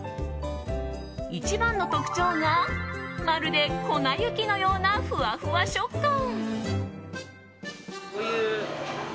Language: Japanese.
一番の特徴がまるで粉雪のようなふわふわ食感。